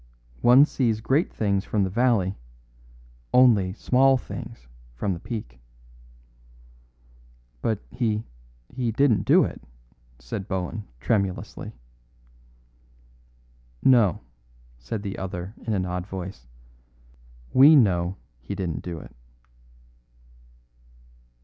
One sees great things from the valley; only small things from the peak." "But he he didn't do it," said Bohun tremulously. "No," said the other in an odd voice; "we know he didn't do it."